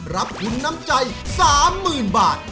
รับทุนน้ำใจ๓๐๐๐บาท